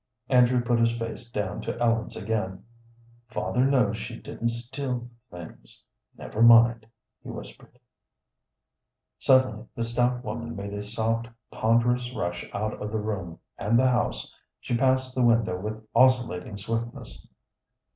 Andrew put his face down to Ellen's again. "Father knows she didn't steal the things; never mind," he whispered. Suddenly the stout woman made a soft, ponderous rush out of the room and the house. She passed the window with oscillating swiftness.